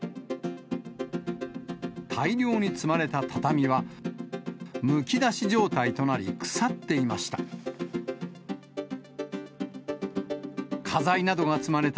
大量に積まれた畳は、むき出し状態となり、腐っていました。